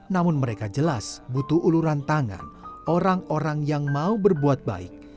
namun mereka jelas butuh uluran tangan orang orang yang mau berbuat baik